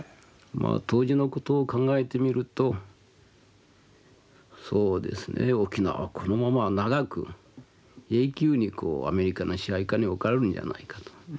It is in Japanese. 当時のことを考えてみるとそうですね沖縄はこのまま長く永久にこうアメリカの支配下に置かれるんじゃないかと。